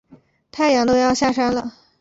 太阳都要下山了